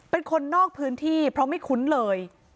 เป็นคนนอกพื้นที่เพราะไม่คุ้นเลย